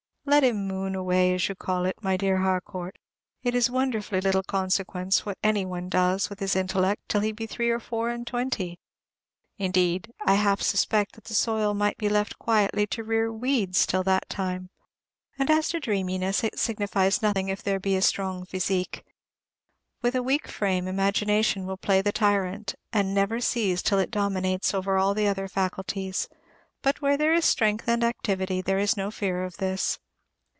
Let him "moon away," as you call it, my dear Harcourt. It is wonderfully little consequence what any one does with his intellect till he be three or four and twenty. Indeed, I half suspect that the soil might be left quietly to rear weeds till that time; and as to dreaminess, it signifies nothing if there be a strong "physique." With a weak frame, imagination will play the tyrant, and never cease till it dominates over all the other faculties; but where there is strength and activity, there is no fear of this.